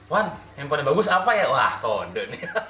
wan handphone bagus apa ya wah kode